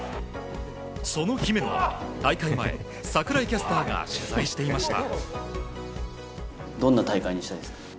その姫野を大会前櫻井キャスターが取材していました。